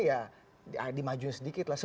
ya dimajuin sedikit lah